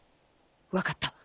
分かった。